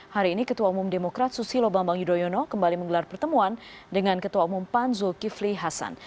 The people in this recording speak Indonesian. hari ini ketua umum demokrat susilo bambang yudhoyono kembali menggelar pertemuan dengan ketua umum pan zulkifli hasan